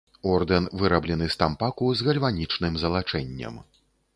Ордэн выраблены з тампаку з гальванічным залачэннем.